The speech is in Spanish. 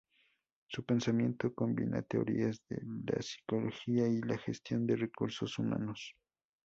Su pensamiento combina teorías de la psicología y la gestión de recursos humanos.